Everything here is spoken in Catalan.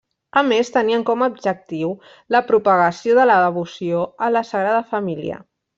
A més, tenien com a objectiu la propagació de la devoció a la Sagrada Família.